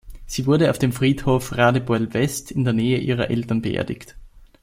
Sie wurde auf dem Friedhof Radebeul-West in der Nähe ihrer Eltern beerdigt.